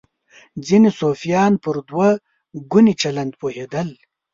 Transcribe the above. ځینې صوفیان پر دوه ګوني چلند پوهېدلي.